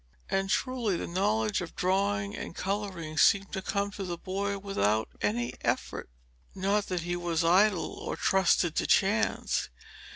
And truly the knowledge of drawing and colouring seemed to come to the boy without any effort. Not that he was idle or trusted to chance.